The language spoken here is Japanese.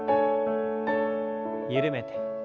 緩めて。